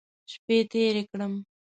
شپې تېرې کړم.